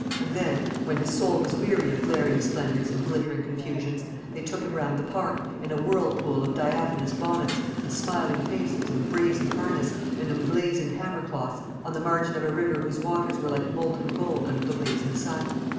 And then, when his soul was weary of glaring splendours and glittering confusions, they took him round the Park, in a whirlpool of diaphanous bonnets, and smiling faces, and brazen harness, and emblazoned hammer cloths, on the margin of a river whose waters were like molten gold under the blazing sun.